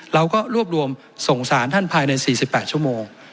เราก็รวบรวมส่งสารท่านภายใน๔๘ชั่วโมง